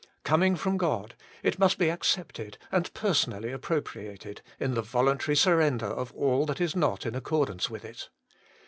Coming from God, it must be accepted and personally appropriated, in the voluntary surrender of all that is not in accordance with it.